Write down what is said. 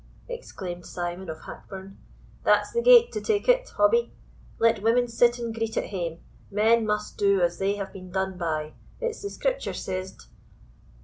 exclaimed Simon of Hackburn, "that's the gate to take it, Hobbie. Let women sit and greet at hame, men must do as they have been done by; it's the Scripture says't."